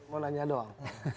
mau nanya doang